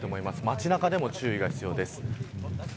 街中でも注意が必要です。